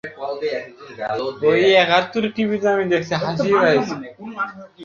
প্রচুর ভিড় মানুষের।